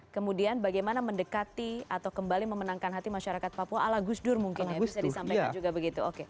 kemudian bagaimana mendekati atau kembali memenangkan hati masyarakat papua ala gus dur mungkin ya bisa disampaikan juga begitu oke